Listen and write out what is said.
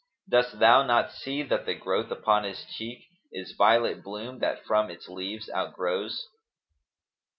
Dost thou not see that the growth upon his cheek * Is violet bloom that from its leaves outgrows."